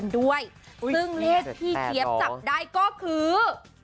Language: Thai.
ซึ่งเลขที่เจี๊ยบจับได้ก็คือ